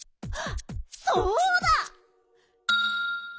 そうだ！